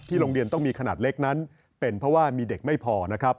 โรงเรียนต้องมีขนาดเล็กนั้นเป็นเพราะว่ามีเด็กไม่พอนะครับ